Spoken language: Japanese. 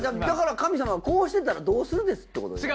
だから神様がこうしてたらどうするんです？ってこと。